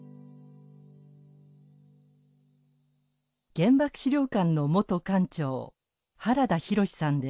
原爆資料館の元館長原田浩さんです。